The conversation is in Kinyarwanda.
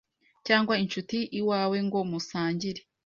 cyangwa inshuti iwawe ngo musangire,